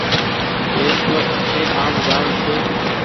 ليپ ٽوپ اٺي آم جآ م ڇي۔